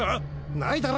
ないだろ？